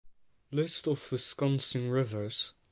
List of Wisconsin rivers